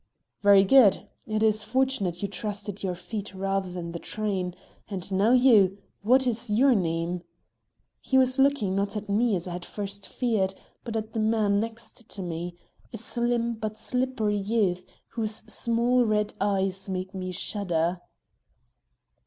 "Very good! It is fortunate you trusted your feet rather than the train. And now you! What is your name?" He was looking, not at me as I had at first feared, but at the man next to me, a slim but slippery youth, whose small red eyes made me shudder.